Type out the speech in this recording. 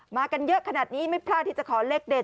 มากันเยอะขนาดนี้ไม่พลาดที่จะขอเลขเด็ด